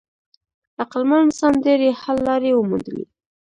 عقلمن انسان ډېرې حل لارې وموندلې.